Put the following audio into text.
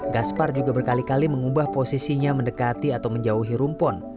gaspar juga berkali kali mengubah posisinya mendekati atau menjauhi rumpon